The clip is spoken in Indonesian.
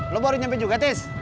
lo baru nyampe juga tes